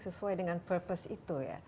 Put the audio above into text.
sesuai dengan tujuan itu